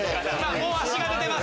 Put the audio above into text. もう足が出てます。